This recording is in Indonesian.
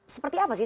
seperti apa sih